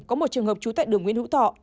có một trường hợp trú tại đường nguyễn hữu thọ